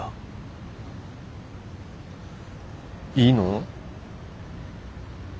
いいの？